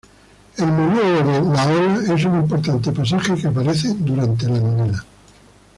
El monólogo de "la ola" es un importante pasaje que aparece durante la novela.